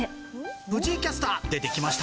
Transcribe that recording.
藤井キャスター出てきました